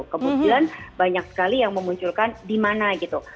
kemudian banyak sekali yang memunculkan di mana gitu